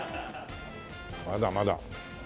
まだまだ。